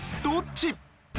どっち？